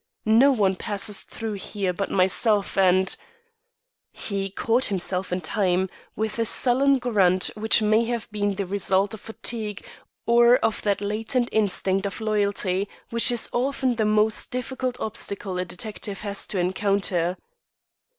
No one passes through there but myself and " He caught himself in time, with a sullen grunt which may have been the result of fatigue or of that latent instinct of loyalty which is often the most difficult obstacle a detective has to encounter.